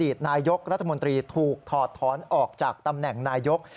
ตนายกรัฐมนตรีถูกถอดถอนออกจากตำแหน่งนายก